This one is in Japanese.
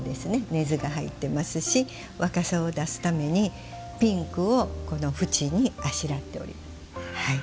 ねずが入っていますし若さを出すためにピンクをこのふちに、あしらっております。